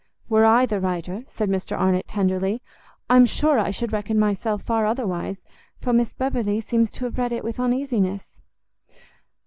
"Were I the writer," said Mr Arnott, tenderly, "I am sure I should reckon myself far otherwise, for Miss Beverley seems to have read it with uneasiness."